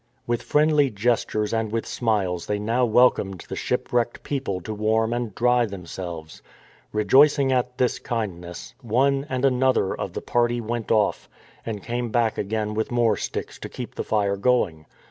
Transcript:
With friendly gestures and with smiles they now welcomed the ship wrecked people to warm and dry themselves. Re joicing at his kindness, one and another of the party went off and came back again with more sticks to keep the fire going.